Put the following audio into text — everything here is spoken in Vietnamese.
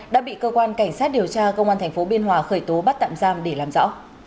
đã bị cơ quan cảnh sát điều tra công an tp biên hòa khởi tố bắt tạm giam để làm rõ